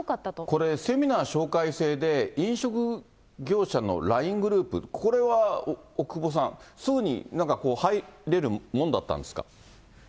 これ、セミナー紹介制で、飲食業者のＬＩＮＥグループ、これは奥窪さん、すぐに入れるものだったんですか。